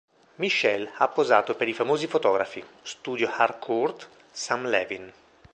Michèle ha posato per i famosi fotografi: Studio Harcourt, Sam Levin.